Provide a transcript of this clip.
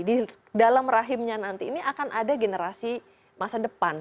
di dalam rahimnya nanti ini akan ada generasi masa depan